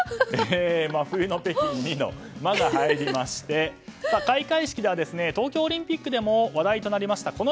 真冬の北京にの「マ」が入りまして開会式では東京オリンピックでも話題となりました